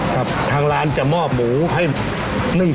ครับทางร้านจะมอบหมูให้๑จานเต็มเลยครับ